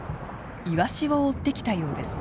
イワシを追ってきたようです。